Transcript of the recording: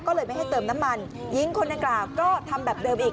ก็เลยไม่ให้เติมน้ำมันหญิงคนดังกล่าวก็ทำแบบเดิมอีก